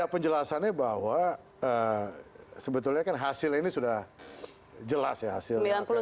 penjelasannya bahwa sebetulnya kan hasil ini sudah jelas ya hasilnya